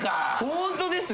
ホントですって。